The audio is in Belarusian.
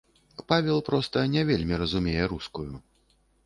Павел проста не вельмі разумее рускую.